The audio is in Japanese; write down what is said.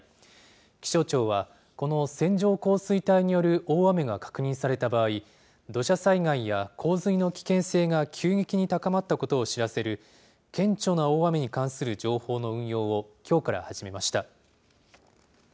気象庁は、この線状降水帯による大雨が確認された場合、土砂災害や洪水の危険性が急激に高まったことを知らせる、顕著な大雨に関する情報の運用をきょうから始めました。